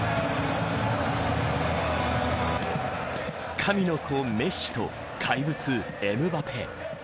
神の子メッシと怪物エムバペ。